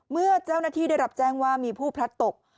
เมื่อเจ้าหน้าที่ได้รับแจ้งว่ามีผู้พลัดตก